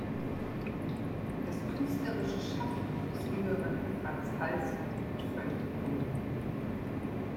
Das künstlerische Schaffen des jüngeren Frans Hals liegt völlig im Dunkeln.